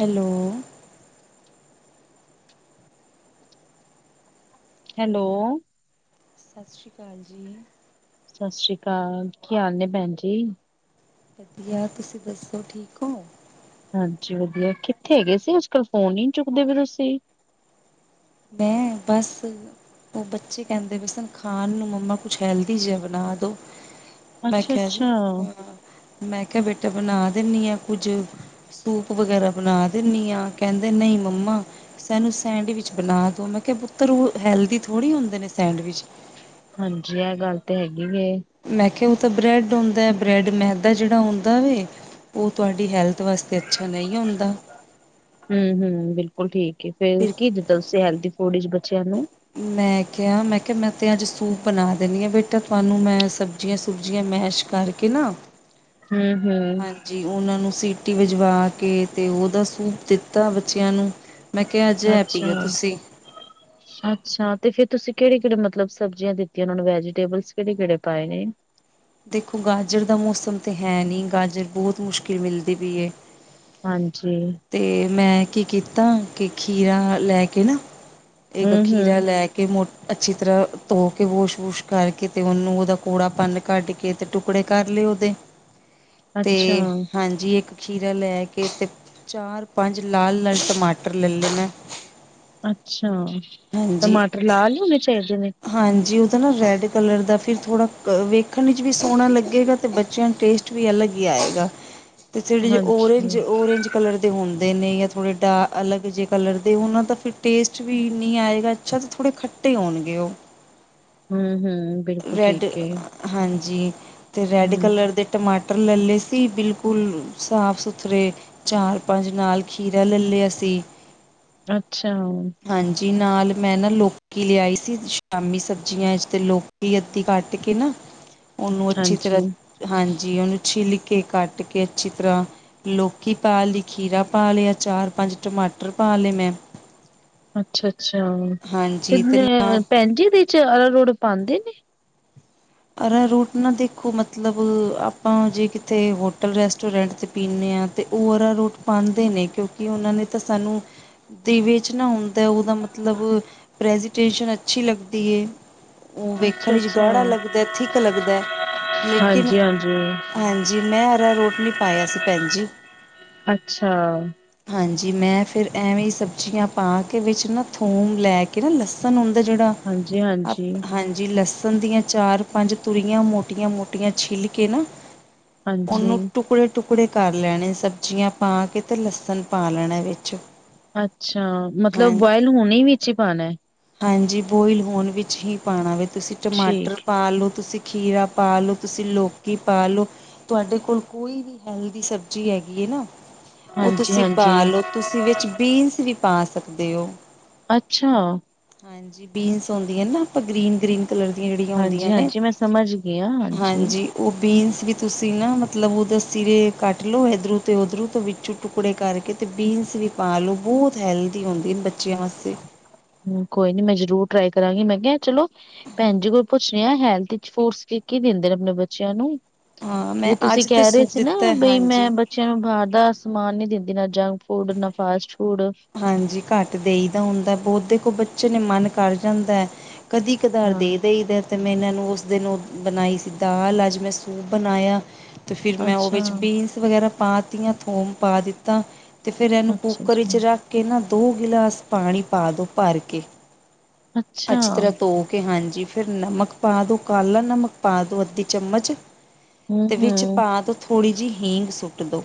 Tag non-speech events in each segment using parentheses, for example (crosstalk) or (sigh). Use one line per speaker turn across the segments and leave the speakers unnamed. Hello.
Hello.
ਸੱਸਰੀ ਕਾਲ ਜੀ।
ਸੱਸਰੀ ਕਾਲ। ਕੀ ਹਾਲ ਨੇਂ ਭੈਣ ਜੀ
ਵਧੀਆ ਤੁਸੀਂ ਦੱਸੋ ਠੀਕ ਓ
ਹਾਂਜੀ, ਵਧੀਆ ਕਿੱਥੇ ਹੈਗੇ ਸੀ। ਅੱਜ-ਕਲ ਫੋਨ ਨੀਂ ਚੁੱਕਦੇ ਵੀ ਤੁਸੀਂ
ਮੈਂ ਬੱਸ ਉਹ ਬੱਚੇ ਕਹਿੰਦੇ ਬੇ ਸਾਨੂੰ ਖਾਣ ਨੂੰ ਮੰਮਾ ਕੁਛ ਹੈਲਦੀ ਜਿਹਾ ਬਣਾ ਦਿਉ। ਮੈਂ
ਅੱਛਾ
ਆਖਿਆ
ਅੱਛਾ
ਜੀ, ਮੈਂ ਕਿਹਾ ਬੇਟਾ ਬਣਾ ਦਿੰਦੀ ਆ ਕੁੱਝ ਸੂਪ ਵਗੈਰਾ ਬਣਾ ਦੀਣੀ ਆ ਕਹਿੰਦੇ ਨਹੀਂ ਮੰਮਾ ਸਾਨੂੰ ਸੈਂਡਵਿਚ ਬਣਾ ਦੋ। ਮੈਂ ਕਿਹਾ ਪੁੱਤਰ ਉਹ ਹੈਲਦੀ ਥੋੜ੍ਹੀ ਹੁੰਦੇ ਨੇਂ ਸੈਂਡਵਿਚ
ਹਾਂਜੀ, ਇਹ ਗੱਲ ਤੇ ਹੈਗੀ ਵੀ ਐ।
ਮੈਂ ਕਿਹਾ ਉਹ ਤਾਂ ਬ੍ਰੈਡ ਹੁੰਦਾ ਬ੍ਰੈਡ ਮੈਦਾ ਜਿਹੜਾ ਹੁੰਦਾ ਵੈ ਉਹ ਤੁਹਾਡੀ ਹੈਲਥ ਵਾਸਤੇ ਅੱਛਾ, ਨਹੀਂ ਹੁੰਦਾ।
ਹਮ-ਹਮ ਬਿਲਕੁਲ ਠੀਕ ਏ ਫੇਰ
ਫਿਰ
ਕੀ ਦਿੱਤਾ ਤੁਸੀਂ ਹੈਲਦੀ ਫੂਡ ਵਿਚ ਬੱਚਿਆਂ ਨੂੰ
ਮੈਂ ਕਿਹਾ, ਮੈਂ ਕਿਹਾ ਮੈਂ ਤੇ ਅੱਜ ਸੂਪ ਬਣਾ ਦਿੰਦੀ ਆ ਬੇਟਾ ਤੁਹਾਨੂੰ ਮੈਂ ਸਬ ਸਬਜੀਆਂ-ਸਬੂਜ਼ੀਆਂ ਮੈਸ਼ ਕਰਕੇ ਨਾਂ
ਹਮ-ਹਮ।
ਜੀ, ਉਹਨਾਂ ਨੂੰ ਸੀਟੀ ਵਜਵਾ ਕੇ ਅਤੇ ਉਹਦਾ ਸੂਪ ਦਿੱਤਾ ਬੱਚਿਆਂ ਨੂੰ ਮੈਂ ਕਿਹਾ ਅੱਜ ਇਹ
ਅੱਛਾ।
ਪੀਓ ਤੁਸੀਂ
ਅੱਛਾ ਤੇ ਫਿਰ ਤੁਸੀਂ ਕਿਹੜੇ-ਕਿਹੜੇ ਮਤਲਬ ਸਬਜ਼ੀਆਂ ਦਿੱਤੀਆਂ ਉਹਨਾਂ ਨੂੰ ਵੈਜੀਟੇਬਲਸ ਕਿਹੜੇ-ਕਿਹੜੇ ਪਾਏ ਨੇਂ
ਦੇਖੋ ਗਾਜਰ ਦਾ ਮੌਸਮ ਤਾਂ ਹੈ ਨਹੀਂ, ਗਾਜਰ ਬਹੁਤ ਮੁਸ਼ਕਿਲ ਮਿਲਦੀ ਪਈ ਹੈ।
ਹਾਂਜੀ।
ਤੇ ਮੈਂ ਕੀ ਕੀਤਾ ਕਿ ਖੀਰਾ ਲੈ ਕੇ ਨਾਂ, ਇੱਕ
ਹਮ
ਖੀਰਾ
ਹਮ
ਲੈ ਕੇ ਕਿ ਮੋ ਅੱਛੀ ਤਰ੍ਹਾਂ ਧੋ ਕੇ ਵਾਸ਼ -ਵੂਸ਼ ਕਰਕੇ ਅਤੇ ਉਹਨੂੰ ਉਹਦਾ ਕੌੜਾਪਣ ਕੱਢ ਕੇ ਅਤੇ ਟੁਕੜੇ ਕਰ ਲਏ ਉਹਦੇ
(inaudible)
ਤੇ ਹਾਂਜੀ, ਇੱਕ ਖੀਰਾ ਲੈ ਕੇ ਤੇ ਚਾਰ, ਪੰਜ ਲਾਲ-ਲਾਲ ਟਮਾਟਰ ਲੈ ਲਏ ਮੈਂ
ਅੱਛਾ,
ਹਾਂਜੀ
ਟਮਾਟਰ ਲਾਲ ਈ ਹੋਣ ਚਾਹੀਦੇ ਨੇਂ
ਹਾਂਜੀ ਉਹਦਾ ਨਾਂ ਰੈੱਡ ਕਲਰ ਦਾ ਫਿਰ ਥੋੜਾ ਵੇਖਣ ਵਿੱਚ ਵੀ ਸੋਹਣਾ ਲੱਗੇਗਾ ਤੇ ਬੱਚਿਆਂ ਨੂੰ ਟੇਸਟ। ਵੀ ਅਲੱਗ ਹੀ ਆਏਗਾ।
(inaudible)
ਅਤੇ ਥੋੜੀ ਜੀ
ਹਾਂਜੀ
ਔਂਰੇਜ-ਔਂਰੇਜ ਕਲਰ ਦੇ ਹੁੰਦੇ ਨੇਂ ਜਾਂ ਥੋੜ੍ਹੇ ਡਾ ਅਲੱਗ ਜਿਹੇ ਕਲਰ ਦੇ ਉਹਨਾਂ ਤਾਂ ਫਿਰ ਟੇਸਟ ਵੀ ਨਹੀਂ ਆਏਗਾ। ਅੱਛਾ, ਥੋੜ੍ਹੇ ਖੱਟੇ ਹੋਣਗੇ ਉਹ।
ਹਮ-ਹਮ ਬਿਲ
ਰੈੱਡ ਹਾਂਜੀ ਅਤੇ ਰੈੱਡ
ਹੂੰ,
ਕਲਰ ਦੇ ਟਮਾਟਰ ਲੈੇ ਲੇ ਸੀ ਬਿਲਕੁੱਲ ਸਾਫ-ਸੁਥਰੇ। ਚਾਰ, ਪੰਜ ਨਾਲ ਖੀਰਾ ਲੈ ਲਿਆ ਸੀ।
ਅੱਛਾ।
ਹਾਂਜੀ, ਨਾਲ ਮੈਂ ਨਾਂ ਲੌਕੀ ਲਿਆਈ ਸੀ। ਸ਼ਾਮੀ ਸਬਜ਼ੀਆਂ 'ਚ ਅਤੇ ਲੋਕ ਅੱਧੀ ਕੱਟ ਕੇ ਨਾ ਉਹਨੂੰ ਅੱਛੀ
ਹਾਂਜੀ,
ਤਰ੍ਹਾਂ ਹਾਂਜੀ, ਉਹਨੂੰ ਛਿੱਲ ਕੇ ਕੱਟ ਕੇ ਅੱਛੀ ਤਰ੍ਹਾਂ ਲੌਕੀ ਪਾ ਲਈ ਖੀਰਾ ਪਾ ਲਿਆ ਚਾਰ ਪੰਜ ਟਮਾਟਰ ਪਾ ਲਏ ਮੈਂ
ਅੱਛਾ-ਅੱਛਾ ਤੇ
ਹਾਂਜੀ ਅਤੇ
ਅ
ਨਾ
ਭੈਣ ਜੀ ਏਦੇ 'ਚ ਅਰਾਰੋਡ ਪਾਉਂਦੇ ਨੇਂ
ਅਰਾਰੋਟ ਨਾਂ ਦੇਖੋ ਮਤਲਬ ਆਪਾਂ ਜੇ ਕਿਤੇ ਹੋਟਲ, ਗਏ ਰੈਸਟੋਰੈਂਟ ਤੇ ਪੀਂਨੇ ਹਾਂ ਤੇ ਉਹ ਅਰਾਰੋਟ ਪਾਂਦੇ ਨੇ ਕਿਉਂਕਿ ਉਹਨਾਂ ਨੇ ਤਾਂ ਸਾਨੂੰ ਦੇ ਵਿੱਚ ਨਾ ਹੁੰਦਾ ਉਹਦਾ ਮਤਲਬ ਪ੍ਰੈਜੀਟੇਸ਼ਨ ਅੱਛੀ ਲੱਗਦੀ ਏ। ਉਹ ਵੇਖਣ ਵਿਚ
ਅੱਛਾ-ਅੱਛਾ,
ਗਾੜਾ ਲੱਗਦਾ, ਨੀ ਥਿਕਲੱਗਦਾ ਹੈ ਲੇਕਿਨ
ਹਾਂਜੀ-ਹਾਂਜੀ,
ਹਾਂਜੀ, ਮੈਂ ਆਰਾ ਰੋਟ ਨਹੀਂ ਪਾਇਆ ਸੀ, ਭੈਣ ਜੀ।
ਅੱਛਾ।
ਹਾਂਜੀ, ਮੈਂ ਫਿਰ ਐਵੇਂ ਹੀ ਸਬਜ਼ੀਆਂ ਪਾ ਕੇ ਵਿੱਚ ਨਾ ਥੋਮ ਲੈ ਕੇ ਕਿ ਨਾ ਲਸਣ ਹੁੰਦਾ ਜਿਹੜਾ, ਆਪ
ਹਾਂਜੀ-ਹਾਂਜੀ,
ਹਾਂਜੀ ਲਸਣ ਦੀਆਂ ਚਾਰ ਪੰਜ ਤੁਰੀਆਂ ਮੋਟੀਆਂ-ਮੋਟੀਆਂ ਛਿੱਲ ਕੇ ਨਾ
ਹਾਂਜੀ,
ਉਹਨੂੰ
ਹਾਂਜੀ,
ਟੁਕੜੇ ਟੁਕੜੇ ਕਰ ਲੈਣੇ। ਸਬਜ਼ੀਆਂ ਪਾ ਕੇ ਤੇ ਲਸਣ ਪਾ ਲੈਣਾ ਵਿੱਚ।
ਅੱਛਾ,
ਹਾਂ
ਮਤਲਬ ਬੁਆਇਲ ਹੁਣੇ ਵਿੱਚ ਹੀ ਪਾਣਾ।
ਹਾਂਜੀ, ਬੋਇਲ ਹੋਣ ਵਿੱਚ ਹੀ ਪਾਉਣਾ ਵੇ ਤੁਸੀਂ ਟਮਾਟਰ
ਠੀਕ ਐ,
ਆਲੂ, ਤੁਸੀਂ ਖੀਰਾ ਪਾ ਲਉ, ਤੁਸੀਂ ਲੌਕੀ ਪਾ ਲਓ। ਤੁਹਾਡੇ ਕੋਲ ਕੋਈ ਵੀ ਹੈਲਦੀ ਸਬਜ਼ੀ ਹੈਗੀ ਹੈ ਨਾ, ਉਹ ਤੁਸੀਂ ਪਾ
ਹਾਂਜੀ-ਹਾਂਜੀ,
ਲਓ ਤੁਸੀਂ ਵਿੱਚ ਬੀਨਸ ਵੀ ਪਾ ਸਕਦੇ ਹੋ।
ਅੱਛਾ।
ਹਾਂਜੀ, ਬੀਨਸ ਹੁੰਂਦੀਆਂ ਨਾ ਆਪਾਂ ਗ੍ਰੀਨ-ਗ੍ਰੀਨ ਕਲਰ ਦੀਆਂ ਜਿਹੜੀਆਂ
ਹਾਂਜੀ,
ਹੁੰਦੀਆਂ ਨੇ
ਹਾਂਜੀ ਮੈਂ ਸਮਝ ਗਈ ਹਾਂ, ਹਾਂਜੀ।
ਉਹ ਬੀਨਸ ਵੀ ਤੁਸੀਂ ਨਾ ਮਤਲਬ ਉਹਦੇ ਸਿਰੇ ਕੱਟ ਲਓ। ਇੱਧਰੋ ਤੇ ਉੱਧਰੋ ਤੋਂ ਵਿੱਚੋਂ ਟੁਕੜੇ ਕਰਕੇ ਅਤੇ ਬੀਨਸ ਵੀ ਪਾ ਲਓ, ਬਹੁਤ ਹੈਲਦੀ ਹੁੰਦੀ ਬੱਚਿਆਂ ਵਾਸਤੇ।
ਹੂ ਕੋਈ ਨੀ ਮੈਂ ਜਰੂਰ ਟਰਾਈ ਕਰਾਂਗੀ, ਮੈਂ ਕਿਹਾ ਚਲੋ ਭੈਣ ਜੀ, ਕੋਈ ਪੁੱਛਣੇ ਆ ਹੈਲਥ 'ਚ ਫਰੂਟਸ ਕੀ-ਕੀ ਦਿੰਦੇ ਨੇ ਆਪਣੇ ਬੱਚਿਆਂ ਨੂੰ
ਹਾਂ ਮੈਂ
ਕਿਉ, ਤੁਸੀਂ
ਅੱਜ ਤਾਂ
ਕਹਿ ਰਹੇ
ਸੂਪ
ਸੀ ਨਾ
ਦਿੱਤਾ
ਬਈ ਮੈਂ
ਹਾਂਜੀ
ਬ ਬੱਚਿਆਂ ਨੂੰ ਬਾਹਰ ਦਾ ਸਮਾਨ ਨੀ ਦਿੰਦੀ, ਨਾ ਜੰਕ ਫੂਡ, ਨਾ ਫਾਸਟ ਫੂਡ।
ਹਾਂਜੀ, ਘੱਟ ਦੇਈ ਦਾ ਹੁੰਦਾ ਬਹੁਤ ਦੇਖੋ ਬੱਚੇ ਨੇ ਮਨ ਕਰ ਜਾਂਦਾ ਹੈ, ਕਦੀ ਤੇ ਦਰ ਦੇ
ਹਾਂ।
ਦਈਦਾ। ਤੇ ਮੈਂ ਇਹਨਾਂ ਨੂੰ ਉਸ ਦਿਨ ਉਹ ਬਣਾਈ ਸੀ ਦਾਲ, ਅੱਜ ਮੈਂ ਸੂਪ ਬਣਾਇਆ। ਤੇ ਫਿਰ ਮੈਂ ਉਹ
ਅੱਛਾ,
ਵਿੱਚ ਬੀਨਸ ਵਗੈਰਾ ਪਾ ਤੀਆਂ ਥੋਮ ਪਾ ਦਿੱਤਾ। ਤੇ ਫਿਰ ਇਹਨੂੰ
ਅੱਛਾ
ਕੁੂੱਕਰ ਵਿੱਚ
ਜੀ,
ਰੱਖ ਕੇ ਨਾ, ਦੋ ਗਿਲਾਸ ਪਾਣੀ ਪਾ ਦਿਉ ਭਰ ਕੇ।
ਅੱਛਾ।
ਅੱਛੀ ਤਰ੍ਹਾਂ ਧੋ ਕੇ ਹਾਂਜੀ ਫਿਰ ਨਮਕ ਪਾ ਦੋ, ਕਾਲਾ ਨਮਕ ਪਾ ਦੋ ਅੱਧੀ ਚਮਚ। ਤੇ ਵਿੱਚ
ਹੂੰ-ਹੂੰ,
ਪਾ ਦੋ ਥੋੜ੍ਹੀ ਜਿਹੀ ਹੀਂਗ ਸੁੱਟ ਦਿਉ।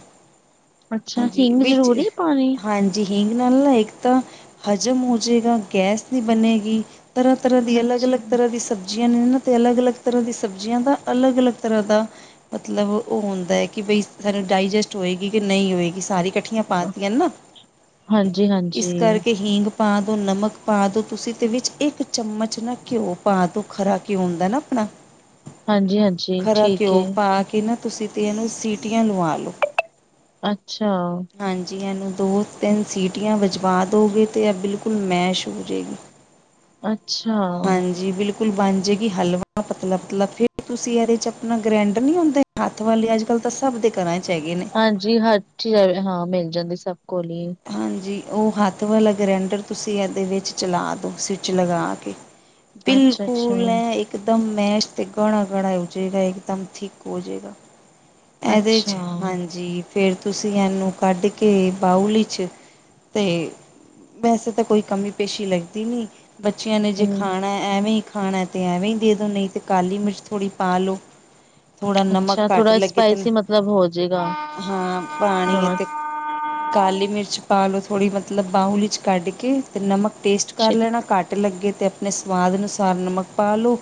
ਅੱਛਾ
ਹਾਂਜੀ,
ਹਿੰਗ
ਵਿੱਚ,
ਜ਼ਰੂਰੀ ਪਾਣੀ
ਹਾਂਜੀ। ਹੀਂਗ ਨਾਲ ਨਾ ਇੱਕ ਤਾਂ ਹਜ਼ਮ ਹੋ ਜੇਗਾ ਗੈਸ ਨਹੀਂ ਬਣੇਗੀ। ਤਰ੍ਹਾਂ-ਤਰ੍ਹਾਂ ਦੀ ਅਲੱਗ-ਅਲੱਗ
ਅੱਛਾ।
ਤਰ੍ਹਾਂ ਦੀ ਸਬਜ਼ੀ ਸਬਜ਼ੀਆਂ ਨੇ ਨਾ ਅਤੇ ਅਲੱਗ-ਅਲੱਗ ਤਰ੍ਹਾਂ ਦੀ ਸਬਜ਼ੀਆਂ ਦਾ ਅਲੱਗ-ਅਲੱਗ ਤਰ੍ਹਾਂ ਦਾ ਮਤਲਬ ਉਹ ਹੁੰਦਾ ਹੈ ਕਿ ਬਈ, ਸਾਨੂੰ ਡਾਈਜੈਸਟ ਹੋਏਗੀ ਕਿ ਨਹੀਂ ਹੋਏਗੀ, ਸਾਰੀ ਇਕੱਠੀਆਂ ਪਾਤੀਆਂ ਨਾ।
ਹਾਂਜੀ।
ਇਸ ਕਰਕੇ ਹੀਂਗ ਪਾ ਦੋ, ਨਮਕ ਪਾ ਦੋ, ਤੁਸੀਂ ਤੇ ਵਿੱਚ ਇੱਕ ਚਮਚ ਨਾ ਘਿਓ ਪਾ ਦੋ, ਖਰਾ ਘਿਉ ਹੁੰਦਾ ਨਾ ਆਪਣਾ।
(inaudible) ਹਾਂਜੀ-ਹਾਂਜੀ
ਖਰਾ
ਠੀਕ
ਘਿਓ
ਏ।
ਪਾ ਕੇ ਨਾ, ਤੁਸੀਂ ਤੇ ਇਹਨੂੰ ਸੀਟੀਆਂ ਲਵਾ ਲਓ।
ਅੱਛਾ।
ਹਾਂਜੀ, ਇਹਨੂੰ ਦੋ ਤਿੰਨ ਸੀਟੀਆਂ ਵਜਵਾ ਦੋ ਗੇ ਤੇ, ਇਹ ਬਿਲਕੁਲ ਮੈਸ਼ ਹੋ ਜੇਗੀ।
ਅੱਛਾ।
ਜੀ, ਬਿਲਕੁਲ ਬਣ ਜਾਏਗੀ, ਹਲਵਾ ਪਤਲਾ-ਪਤਲਾ, ਫੇਰ ਤੁਸੀਂ ਇਹਦੇ ਚ ਆਪਣਾ ਗ੍ਰੈਂਡਰ ਨੀ ਹੁੰਦੇ। ਹੱਥ ਵਾਲੇ ਅੱਜ-ਕੱਲ੍ਹ ਤਾਂ ਸਭ ਦੇ ਘਰਾਂ ਚ ਹੈਗੇ ਨੇ।
ਹਾਂਜੀ, ਹਰ ਚੀਜ਼ ਹਾਂ ਮਿਲ ਜਾਂਦੀ ਸਭ ਕੋਲ ਹੀ।
ਹਾਂਜੀ, ਉਹ ਹੱਥ ਵਾਲਾ ਗ੍ਰੈਂਡਰ, ਤੁਸੀਂ ਇਹਦੇ ਵਿੱਚ ਚਲਾ ਦਿਉ, ਸਵਿੱਚ ਲਗਾ ਕੇ।
(inaudible) ਅੱਛਾ-ਅੱਛਾ।
ਬਿਲਕੁਲ ਐ ਇੱਕ ਦਮ ਮੈਸ਼ ਤੇ ਗਾੜਾ- ਗਾੜਾ ਹੋ ਜਾਏਗਾ, ਇੱਕ ਦਮ ਥਕ ਹੋ ਜਾਏਗਾ।
ਅੱਛਾ,
ਇਹਦੇ
ਅੱਛਾ।
'ਚ' ਹਾਂਜੀ। ਫੇਰ ਤੁਸੀਂ ਇਹਨੂੰ ਕੱਢ ਕੇ ਬਾਊਲ 'ਚ' ਤੇ ਵੈਸੇ ਤਾਂ ਕੋਈ ਕਮੀ ਪੇਸ਼ੀ ਲੱਗਦੀ ਨੀ, ਬੱਚਿਆਂ ਨੇ ਜੇ
ਹੂੰ
ਖਾਣਾ ਐਵੇਂ ਹੀ ਖਾਣਾ ਤੇ ਐਵੇਂ ਹੀ ਦੇ ਦੋ, ਨਹੀਂ ਤੇ ਕਾਲੀ ਮਿਰਚ ਥੋੜ੍ਹੀ ਪਾ ਲੋ। ਥੋੜ੍ਹਾ ਨਮਕ
ਅੱਛਾ
ਘੱਟ
ਥੋੜਾ
ਲੱਗੇ ਤੇ,
ਸਪਾਈਸੀ ਮਤਲਬ ਹੋ ਜੇਗਾ।
ਹਾਂ ਪਾਣੀ ਅਤੇ ਕਾਲੀ ਮਿਰਚ ਪਾ ਲਓ, ਥੋੜ੍ਹੀ ਮਤਲਬ ਬਾਉਲ 'ਚ' ਕੱਢ ਕੇ, ਤੇ ਨਮਕ ਟੇਸਟ ਕਰ ਲੈਣਾ, ਘੱਟ ਘੱਟ ਲੱਗੇ ਤੇ ਆਪਣੇ ਸਵਾਦ ਅਨੁਸਾਰ ਨਮਕ ਪਾ ਲੋ।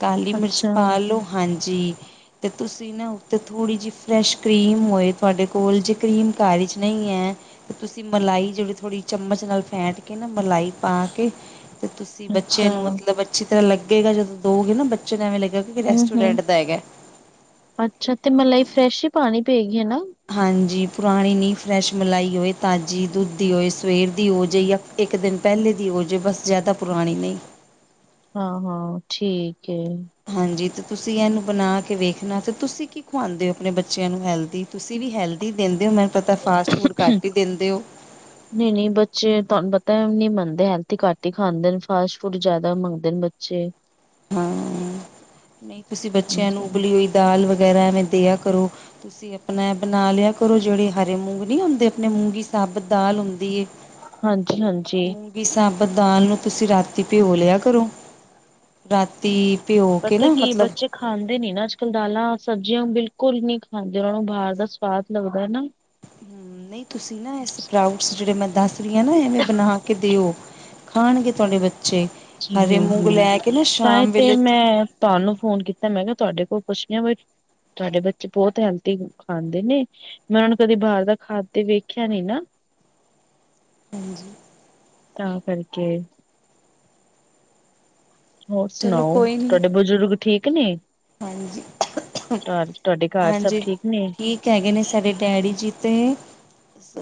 ਕਾਲੀ ਮਿਰਚ
ਅੱਛਾ।
ਪਾ ਲਓ, ਹਾਂਜੀ, ਅਤੇ ਤੁਸੀਂ ਨਾ ਉੱਤੇ ਥੋੜ੍ਹੀ ਜਿਹੀ ਫਰੈਸ਼ ਕਰੀਮ ਹੋਏ ਤੁਹਾਡੇ ਕੋਲ, ਜੇ ਕਰੀਮ ਘਰ ਵਿੱਚ ਨਹੀਂ ਏ ਤੁਸੀਂ ਮਲਾਈ ਜਿਹੜੀ ਥੋੜ੍ਹੀ ਚਮਚ ਨਾਲ ਫੇਟ ਕੇ ਨਾ ਮਲਾਈ ਪਾ ਕੇ ਤੇ ਤੁਸੀਂ
ਅੱਛਾ,
ਬੱਚੇ ਨੂੰ ਮਤਲਬ ਅੱਛੀ ਤਰ੍ਹਾਂ ਲੱਗੇਗਾ, ਜਦੋਂ ਦੋ ਗਏ ਨਾ, ਬੱਚੇ ਨੂੰ ਇਵੇ ਲੱਗੇਗਾ ਕੀ
ਹੂੰ-ਹੂੰ,
ਰੈਸਟੋਰੈਂਟ ਦਾ ਹੈਗਾ।
ਅੱਛਾ, ਤੇ ਮਲਾਈ ਫਰੈਸ਼ ਹੀ ਪਾਣੀ ਪਏਗੀ ਹਨਾ।
ਹਾਂਜੀ ਪੁਰਾਣੀ ਨਹੀਂ ਫਰੈਸ਼ ਮਲਾਈ ਹੋਏ ਤਾਜ਼ੀ ਦੁੱਧ ਦੀ ਹੋਏ। ਸਵੇਰ ਦੀ ਹੋ ਜੇ ਇੱਕ ਦਿਨ ਪਹਿਲੇ ਦੀ ਉਹਜੇ ਬਸ ਜ਼ਿਆਦਾ ਪੁਰਾਣੀ ਨਹੀਂ।
ਹਾਂ-ਹਾਂ, ਠੀਕ ਏ।
ਹਾਂਜੀ ਤੇ ਤੁਸੀ ਇਹਨੂੰ ਬਣਾ ਕੇ ਵੇਖਣਾ ਤੇ ਤੁਸੀਂ ਕੀ ਖਵਾਦੇ ਹੋ ਆਪਣੇ ਬੱਚਿਆਂ ਨੂੰ ਹੈਲਦੀ। ਤੁਸੀ ਵੀ ਹੈਲਦੀ ਦਿੰਦੇ ਹੋ ਮੈਨੂੰ ਪਤਾ ਫਾਸਟ ਫੂਡ ਘੱਟ ਹੀ ਦਿੰਦੇ ਹੋ।
ਨਹੀਂ-ਨਹੀਂ ਬੱਚੇ ਤੁਹਾਨੂੰ ਪਤਾ ਨੀ ਮੰਨਦੇ ਹੀ ਘੱਟ ਹੀ ਖਾਂਦੇ ਨੇ ਫਾਸ- ਫੂਡ ਜ਼ਿਆਦਾ ਮੰਗਦੇ ਨੇ ਬੱਚੇ।
ਹਾਂ ਨਹੀਂ। ਤੁਸੀ ਬੱਚਿਆਂ ਨੂੰ ਉਬਲੀ ਹੋਈ ਦਾਲ ਵਗੈਰਾ ਐਵੇ ਦਿਆ ਕਰੋ। ਤੁਸੀਂ ਆਪਣਾ ਬਣਾ ਲਿਆ ਕਰੋ। ਜਿਹੜੇ ਹਰੇ ਮੂੰਗ ਨੀ ਹੁੰਦੇ ਆਪਣੇ ਮੂੰਗੀ ਸਾਬਤ ਦਾਲ ਹੁੰਦੀ ਐ।
ਹਾਂਜੀ-ਹਾਂਜੀ।
ਵੀ ਸਾਬਤ ਦਾਲ ਨੂੰ ਤੁਸੀਂ ਰਾਤੀ ਭਿਓ ਲਿਆ ਕਰੋ। ਰਾਤੀ ਭਿਓ ਕੇ
ਪਤਾ
ਨਾ
ਕੀ
ਮਤਲਬ
ਬੱਚੇ ਖਾਂਦੇ ਨੀ ਨਾ ਅੱਜ-ਕੱਲ੍ਹ ਦਾਲਾਂ ਸਬਜ਼ੀਆਂ ਬਿਲਕੁਲ ਨਹੀਂ ਖਾਂਦੇ ਮੈਡਮ। ਬਾਹਰ ਦਾ ਸਵਾਦ ਲੱਗਦਾ ਨਾ।
ਨਹੀਂ ਤੁਸੀਂ ਨਾ ਇਸਪਾਓ ਜਿਹੜੇ ਮੈਂ ਦੱਸ ਰਹੀ ਆ ਨਾ ਇਹਵੇਂ ਬਣਾ ਕੇ ਦਿਓ ਖਾਣਗੇ ਤੁਹਾਡੇ ਬੱਚੇ।
ਜੀ
ਹਰੇ ਮੂੰਗ
ਹੁ-ਹੁ
ਲੈ ਕੇ ਨਾ
ਤਾਂਹੀ
ਸ਼ਾਮ
ਤੇ
ਵੇਲੇ
ਮੈਂ ਤੁਹਾਨੂੰ ਫੋਨ ਕੀਤਾ ਮੈਂ ਕਿਹਾ ਤੁਹਾਡੇ ਕੋਲ ਪੁੱਛ ਦੀ ਬ- ਤੁਹਾਡੇ ਬੱਚੇ ਬਹੁਤ ਹੈਲਦੀ ਖਾਂਦੇ ਨੇ। ਮੈਂ ਉਹਨੂੰ ਕਦੇ ਬਾਹਰ ਦਾ ਖਾਂਦੇ ਤੇ ਵੇਖਿਆ ਨੀ ਨਾ।
ਹਾਂਜੀ।
ਤਾਂ ਕਰਕੇ। ਹੋਰ
ਚਲੋ
ਸੁਣਾਓ। ਤੁਹਾਡੇ ਬਜ਼ੁਰਗ ਠੀਕ ਨੇ। ਘਰ ਤੁਹਾਡੇ ਘਰ ਸਭ
ਹਾਂਜੀ-ਹਾਂਜੀ,
ਠੀਕ ਨੇ
ਠੀਕ। ਕਹਿ ਗਏ ਨੇ ਸਾਡੇ ਡੈਡੀ ਜੀ ਤੇ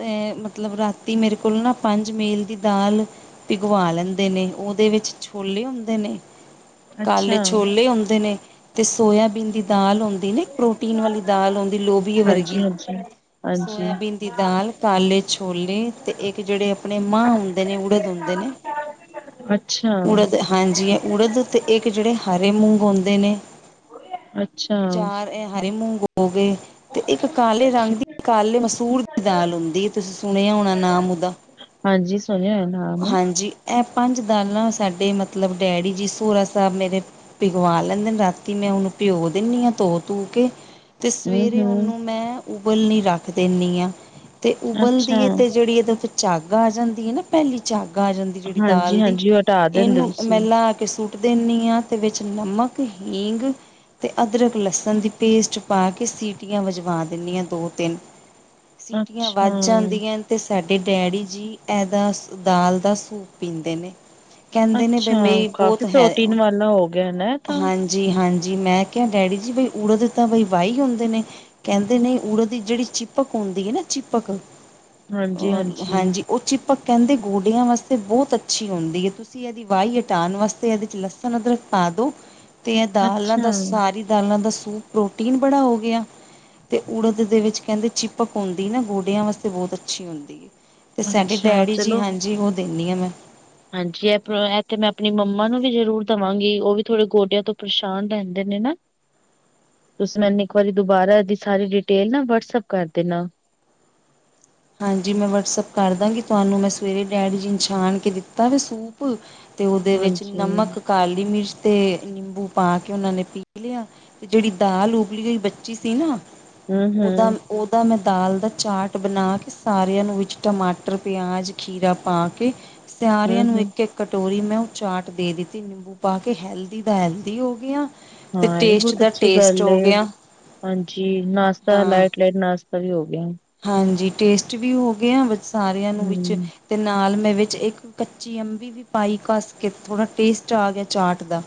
ਐ ਮਤਲਬ ਰਾਤੀ ਮੇਰੇ ਕੋਲ ਨਾ ਪੰਜ ਮੀਲ ਦੀ ਦਾਲ ਭਿਗਵਾ ਲੈਂਦੇ ਨੇ। ਉਹਦੇ ਵਿੱਚ ਛੋਲੇ ਹੁੰਦੇ ਨੇ। ਕਾਲੇ
ਅੱਛਾ
ਛੋਲੇ ਹੁੰਦੇ ਨੇ ਤੇ ਸੋਇਆਬੀਨ ਦੀ ਦਾਲ ਹੁੰਦੀ ਇਹ ਪ੍ਰੋਟੀਨ ਵਾਲੀ ਦਾਲ ਆਦੀ ਲੋਬੀ
ਹਾਂਜੀ
ਵਰਗੀ।
ਹਾਂਜੀ ਹਾਂਜੀ।
ਸੋਆਬੀਨ ਦੀ ਦਾਲ, ਕਾਲੇ ਛੋਲੇ ਅਤੇ ਇੱਕ ਕਿਹੜੇ ਆਪਣੇ ਮਾਂ ਹੁੰਦੇ ਨੇ ਉੜੇਦ ਆਦੇ ਨੇ।
ਅੱਛਾ।
ਉੜਦ ਹਾਂਜੀ, ਉੜਦ ਤੇ ਇੱਕ ਜਿਹੜੇ ਹਰੇ ਮੂੰਗ ਹੁੰਦੇ ਨੇ।
ਅੱਛਾ
ਚਾਰ ਇਹ ਹਰੀ ਮੂੰਗ ਹੋ ਗਏ। ਤੇ ਇੱਕ ਕਾਲੇ ਰੰਗ ਦੀ ਕਾਲੇ ਮਸੂਰ ਦੀ ਦਾਲ ਹੁੰਦੀ ਤੁਸੀਂ ਹੋਣਾ ਨਾਮ ਉਹਦਾ?
ਹਾਂਜੀ, ਸੁਣਿਆ ਹੋਇਆ ਨਾਮ।
ਹਾਂਜੀ ਇਹ ਪੰਜ ਦਾਲਾਂ ਸਾਡੇ ਮਤਲਬ ਡੈਡੀ ਜੀ ਸੋਹਰਾ ਸਾਹਿਬ ਮੇਰੇ। ਭਿਗਵਾ ਲੈਂਦੇ ਨੇ। ਰਾਤੀ ਮੈਂ ਉਹਨੂੰ ਭਿਓ ਦਿੰਦੀ ਹਾਂ ਧੋ ਤੂ ਕੇ। ਤੇ
ਹਮ
ਸਵੇਰੇ
ਹਮ
ਉਹਨੂੰ ਮੈਂ ਉਬਲ ਨਹੀਂ ਰੱਖ ਰੱਖ ਦੇਨੀ ਹਾਂ ਤੇ ਉਬਲਦੀ
ਅੱਛਾ
ਏ ਤੇ ਜਿਹੜੀ ਇਹਦੇ ਵਿੱਚ ਝੱਗ ਆ ਜਾਂਦੀ ਹੈ ਨਾ, ਪਹਿਲੀ ਝੱਗ ਆ ਜਾਂਦੀ ਜਿਹੜੀ
ਹਾਂਜੀ
ਦਾਲ ਦੀ।
ਹਾਂਜੀ ਉਹ ਹਟਾ ਦਿੰਦੇ
ਇਹਨੂੰ
ਤੁਸੀਂ
ਮੈਂਲਾ ਕੇ ਸੁੱਟ ਦਿੰਦੀ ਆ ਤੇ ਵਿੱਚ ਨਮਕ, ਹੀਗ, ਤੇ ਅਦਰਕ-ਲਸਣ ਦੀ ਪੇਸਟ ਪਾ ਕੇ ਸੀਟੀਆਂ ਵਜਵਾ ਦੇਨੀ ਆ ਦੋ-ਤਿੰਨ। ਸੀਟੀਆਂ ਵੱਜ
ਅੱਛਾ
ਜਾਂਦੀਆਂ। ਤੇ ਸਾਡੇ ਡੈਡੀ ਜੀ ਇਦਾਂ ਸ ਦਾਲ ਦਾ ਸੂਪ ਪੀਂਦੇ ਨੇ। ਕਹਿੰਦੇ ਨੇ, ਬ
ਅੱਛਾ
ਮੇ ਬਹੁਤ
ਕਾਫੀ
ਹੈ,
ਪ੍ਰੋਟੀਨ ਵਾਲਾ ਹੋ ਗਿਆ ਨਾ ਇਹ ਤਾਂ
ਹਾਂਜੀ। ਜੀ ਹਾਂਜੀ, ਮੈਂ ਕਿਹਾ ਡੈਡੀ ਜੀ ਬਈ ਉੜ ਦੇ ਤਾਂ ਬਈ ਵਾਹੀ ਹੁੰਦੇ ਨੇ? ਕਹਿੰਦੇ ਨਹੀ, ਉੜੇ ਦੀ ਜਿਹੜੀ ਚੀਪਕ ਹੁੰਦੀ ਏ ਨਾ ਚੀਪਕ? ਹਾਂਜੀ, ਉਹ ਚੀਪਕ ਕਹਿੰਦੇ ਗੋਡਿਆਂ ਵਾਸਤੇ ਬਹੁਤ ਅੱਛੀ ਹੁੰਦੀ ਏ। ਤੁਸੀਂ ਇਹਦੀ ਵਾਈ ਹਟਾਉਣ ਵਾਸਤੇ ਇਹਦੇ 'ਚ' ਲਸਣ, ਅਦਰਕ ਪਾ ਦੋ। ਤੇ ਦਾਲਾਂ ਦਾ,
ਅੱਛਾ
ਸਾਰੀ ਦਾਲਾਂ ਦਾ ਸੂਪ ਪ੍ਰੋਟੀਨ ਬੜਾ ਹੋ ਗਿਆ। ਤੇ ਉੜਦ ਦੇ ਵਿੱਚ ਕਹਿੰਦੇ ਚੀਪਕ ਹੁੰਦੀ ਨਾ ਗੋਡਿਆਂ ਵਾਸਤੇ ਬਹੁਤ ਅੱਛੀ ਹੁੰਦੀ ਏ‌। ਤੇ ਸਾਡੇ
ਅੱਛਾ
ਡੈਡੀ ਜੀ
ਚਲੋ
ਹਾਂਜੀ, ਉਹ ਦੇਨੀ ਆ ਮੈਂ।
ਹਾਂਜੀ, ' (unintelligible) ' ਇਹ ਤੇ ਮੈਂ ਆਪਣੀ ਮੰਮਾ ਨੂੰ ਵੀ ਜ਼ਰੂਰ ਦੇਵਾਂਗੀ। ਉਹ ਵੀ ਥੋੜੇ ਗੋਡਿਆਂ ਤੋਂ ਪਰੇਸ਼ਾਨ ਰਹਿੰਦੇ ਨੇ ਨਾ। ਤੁਸੀਂ ਮੈਨੂੰ ਇੱਕ ਵਾਰੀ ਦੁਬਾਰਾ ਇਹ ਦੀ ਸਾਰੀ ਡਿਟੇਲ ਨਾ ਵਟਸਪ ਕਰ ਦੇਨਾ।
ਹਾਂਜੀ, ਮੈਂ ਵਟਸਐਪ ਕਰ ਦਾਂਗੀ। ਤੁਹਾਨੂੰ ਮੈਂ ਸਵੇਰੇ ਡੈਡੀ ਜੀ ਨਛਾਣ ਕੇ ਦਿੱਤਾ ਵ ਸੂਪ ਪ ਤੇ ਉਹਦੇ ਵਿੱਚ
ਹਾਂਜੀ
ਨਮਕ
ਹੂੰ
ਕਾਲੀ ਮਿਰਚ ਤੇ ਨਿੰਬੂ ਪਾ ਕੇ ਉਹਨਾ ਨੇ ਪੀ ਲਿਆ। ਤੇ ਜਿਹੜੀ ਦਾਲ ਉਬਲੀ ਗਈ ਬੱਚੀ ਸੀ ਨਾ?
ਹੂੰ
ਉਹਦਾ-ਉਹਦਾ ਮੈਂ ਦਾਲ ਦਾ ਚਾਟ ਬਣਾ ਕੇ ਸਾਰਿਆਂ ਨੂੰ ਵਿੱਚ ਟਮਾਟਰ, ਪਿਆਜ, ਖੀਰਾ ਪਾ ਕੇ
ਹੂੰ
ਸਿਆਰਿਆਂ ਨੂੰ
ਹੂੰ
ਇੱਕ-ਇੱਕ ਕਟੋਰੀ ਮੈਂ ਉਹ ਚਾਟ ਦੇ ਦਿੱਤੀ ਨਿੰਬੂ ਪਾ ਕੇ। ਹੈਲਦੀ ਦਾ, ਹੈਲਦੀ ਹੋ ਗਿਆ। ਤੇ
ਹਾਂ, ਇਹ ਵੀ
ਟੇਸਟ
ਬਹੁਤ
ਦਾ
ਅੱਛੀ
ਟੇਸਟ
ਗੱਲ
ਹੋ
ਏ।
ਗਿਆ
ਹਾਂਜੀ ਨਾਸ਼ਤਾ
ਹਾਂ
ਲਾਈ ਪਲੇਟ ਨਾਸ਼ਤਾ ਵੀ ਹੋ ਗਿਆ।
ਹਾਂਜੀ, ਟੇਸਟ ਵੀ ਹੋ ਗਏ ਆ। ਸਾਰਿਆਂ ਨੂੰ ਵਿੱਚ
ਹੂੰ
ਤੇ ਨਾਲ ਮੈਂ ਵਿੱਚ ਇੱਕ ਕੱਚੀ ਅੰਬੀ ਵੀ ਪਾਈ ਘੱਸ ਕੇ। ਥੋੜਾ ਟੇਸਟ ਆ ਗਿਆ ਚਾਟ ਦਾ।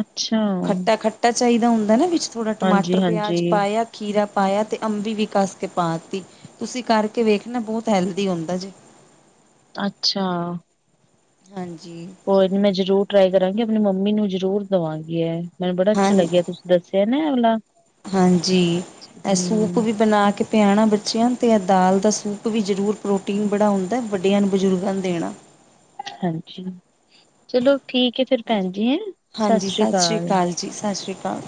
ਅੱਛਾ
ਖੱਟਾ-ਖੱਟਾ ਚਾਹੀਦਾ ਹੁੰਦਾ ਨਾ, ਵਿੱਚ ਥੋੜਾ
ਹਾਂਜੀ
ਟਮਾਟਰ,
ਹਾਂਜੀ
ਪਿਆਜ ਪਾਇਆ। ਖੀਰਾ ਪਾਇਆ ਤੇ ਅੰਬੀ ਵੀ ਕੱਸ ਕੇ ਪਾਤੀ। ਤੁਸੀਂ ਕਰਕੇ ਵੇਖ ਨਾ ਬਹੁਤ ਹੈਲਦੀ ਹੁੰਦਾ ਜੀ।
ਅੱਛਾ।
ਹਾਂਜੀ।
ਹੋਰ। ਮੈਂ ਜਰੂਰ ਟਰਾਈ ਕਰਾਂਗੀ। ਆਪਣੀ ਮੰਮੀ ਨੂੰ ਜਰੂਰ ਦੇਵਾਂਗੀ ਏ। ਮੈਨੂੰ ਬੜਾ
ਹਾਂ
ਅੱਛਾ ਲੱਗਿਆ ਤੁ- ਦੱਸਿਆ ਨਾ ਐ‌ ਵਾਲਾ।
ਹਾਂਜੀ, ਇਹ ਸੂਪ
ਹੂੰ
ਵੀ ਬਣਾ ਕੇ ਪਿਆਣਾ ਬੱਚਿਆਂ ਅਤੇ ਦਾਲ ਦਾ ਸੂਪ ਵੀ ਜ਼ਰੂਰ, ਪ੍ਰੋਟੀਨ ਬੜਾ ਹੁੰਦਾ, ਵੱਡਿਆਂ ਨੂੰ ਬਜ਼ੁਰਗਾਂ ਨੂੰ ਦੇਣਾ।
ਹਾਂਜੀ, ਚਲੋ ਠੀਕ ਐ ਫਿਰ
ਹਾਂਜੀ,
ਭੈਣ ਜੀ ਹੈ।
ਹਾਂਜੀ
ਸ਼ਾਸ਼ਰੀ
ਸਤਿ ਸ਼੍ਰੀ
ਕਾਲ।
ਅਕਾਲ ਜੀ ਸ਼ਾਸ਼ਰੀ ਕਾਲ।